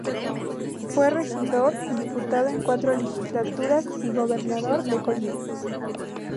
Fue Regidor, Diputado en cuatro legislaturas y Gobernador de Colima.